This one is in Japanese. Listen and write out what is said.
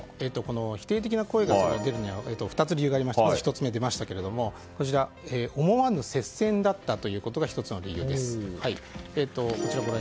否定的な意見が出るのには２つ理由がありまして思わぬ接戦だったということが１つの理由です。